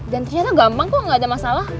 dan ternyata gampang kok gak ada masalah